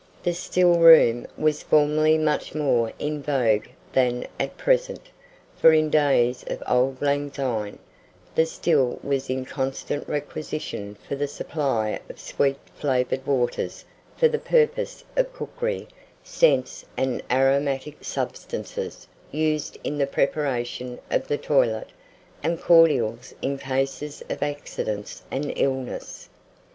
The still room was formerly much more in vogue than at present; for in days of "auld lang syne," the still was in constant requisition for the supply of sweet flavoured waters for the purposes of cookery, scents and aromatic substances used in the preparation of the toilet, and cordials in cases of accidents and illness.